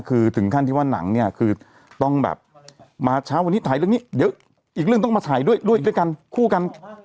คือถึงขั้นที่ว่าหนังเนี่ยคือต้องแบบมาเช้าวันนี้ถ่ายเรื่องนี้เยอะอีกเรื่องต้องมาถ่ายด้วยด้วยกันคู่กัน